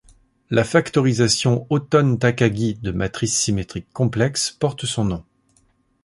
La factorisation Autonne-Takagi de matrice symétrique complexe porte son nom.